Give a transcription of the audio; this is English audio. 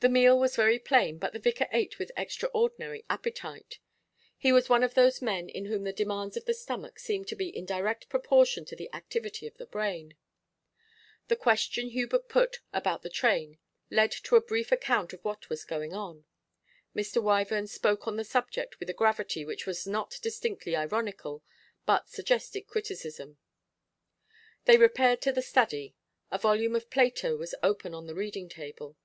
The meal was very plain, but the vicar ate with extraordinary appetite; he was one of those men in whom the demands of the stomach seem to be in direct proportion to the activity of the brain. A question Hubert put about the train led to a brief account of what was going on. Mr. Wyvern spoke on the subject with a gravity which was not distinctly ironical, but suggested criticism. They repaired to the study. A volume of Plato was open on the reading table.